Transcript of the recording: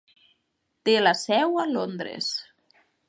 Té la seu a Londres.